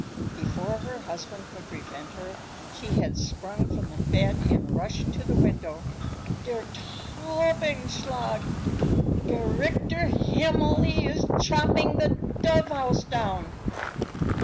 Before her husband could prevent her, she had sprung from the bed and rushed to the window. "Der Taubenschlag! Gerechter Himmel, he is chopping the dove house down!"